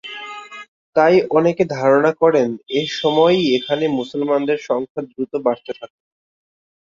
তাই অনেকে ধারণা করেন, এ সময়েই এখানে মুসলমানদের সংখ্যা দ্রুত বাড়তে থাকে।